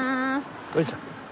よいしょ。